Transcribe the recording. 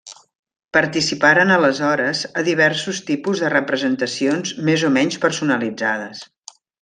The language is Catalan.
Participaren aleshores a diversos tipus de representacions més o menys personalitzades.